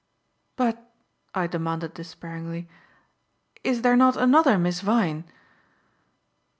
"But," I demanded despairingly, "is there not another Miss Vyne?"